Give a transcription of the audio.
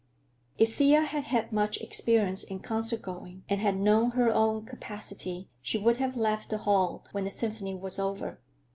If Thea had had much experience in concert going, and had known her own capacity, she would have left the hall when the symphony was over.